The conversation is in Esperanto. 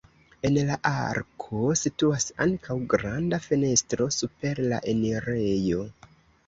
En la arko situas ankaŭ granda fenestro super la enirejo.